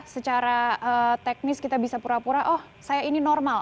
secara teknis kita bisa pura pura oh saya ini normal